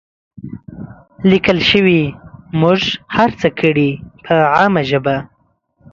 لیکل شوې، موږ هڅه کړې په عامه ژبه